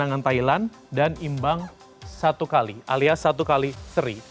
dengan thailand dan imbang satu kali alias satu kali seri